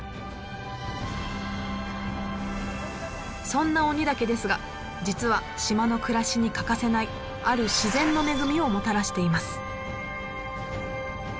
そんな鬼岳ですが実は島の暮らしに欠かせないある自然の恵みをもたらしています。